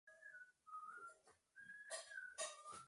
La poesía siempre se representa con claridad.